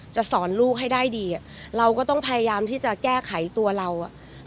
สอนลูกให้ได้ดีเราก็ต้องพยายามที่จะแก้ไขตัวเราอ่ะ